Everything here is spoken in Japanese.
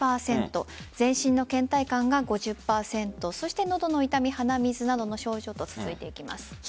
全身の倦怠感が５０％そして喉の痛み、鼻水などの症状と続いていきます。